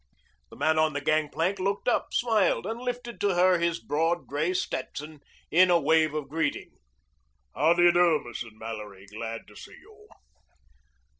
The man on the gangplank looked up, smiled, and lifted to her his broad gray Stetson in a wave of greeting. "How do you do, Mrs. Mallory? Glad to see you."